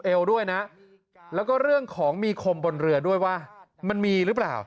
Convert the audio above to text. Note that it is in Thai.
เอวด้วยนะแล้วก็เรื่องของมีคมบนเรือด้วยว่ามันมีหรือเปล่า